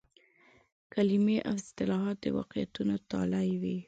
کلمې او اصطلاحات د واقعیتونو تالي وي.